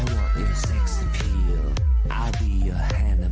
แจ๊งขอจี้หนึ่งรอบได้มั้ย